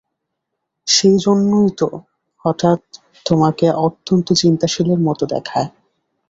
সেইজন্যই তো হঠাৎ তোমাকে অত্যন্ত চিন্তাশীলের মতো দেখায়।